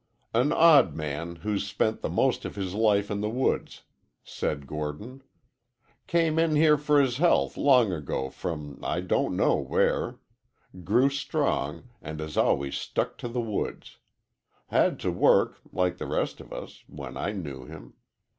"An odd man who's spent the most of his life in the woods," said Gordon. "Came in here for his health long ago from I don't know where; grew strong, and has always stuck to the woods. Had to work, like the rest of us, when I knew him.